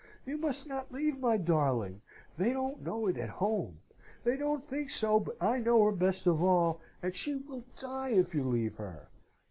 You must not leave my darling. They don't know it at home. They don't think so but I know her best of all, and she will die if you leave her.